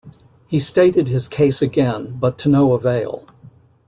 He stated his case again, but to no avail.